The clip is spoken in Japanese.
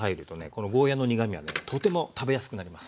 このゴーヤーの苦みがねとても食べやすくなります。